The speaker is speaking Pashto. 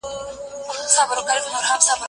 زه بايد قلم استعمالوم کړم؟